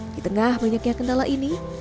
di tengah banyaknya kendala ini